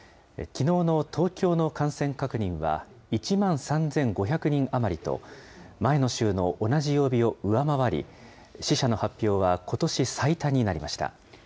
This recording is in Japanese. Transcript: きのうの東京の感染確認は１万３５００人余りと、前の週の同じ曜日を上回り、死者の発表はことし最多になりました。